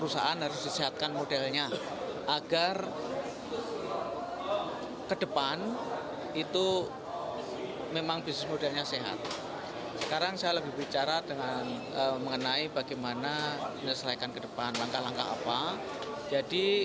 sekarang saya lebih bicara dengan mengenai bagaimana menyesuaikan ke depan langkah langkah apa